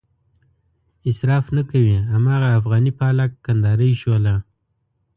اصراف نه کوي هماغه افغاني پالک، کندهارۍ شوله.